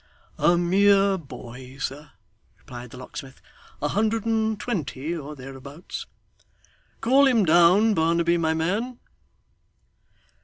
'A mere boy, sir,' replied the locksmith. 'A hundred and twenty, or thereabouts. Call him down, Barnaby, my man.